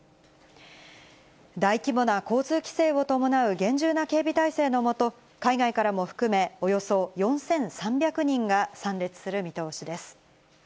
大規模な交通規制を伴う厳重な警備体制の下、海外からも含め、およそ４３００人が参列する見通しです。